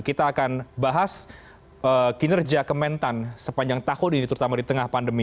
kita akan bahas kinerja kementan sepanjang tahun ini terutama di tengah pandemi